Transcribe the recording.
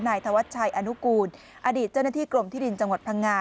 ธวัชชัยอนุกูลอดีตเจ้าหน้าที่กรมที่ดินจังหวัดพังงา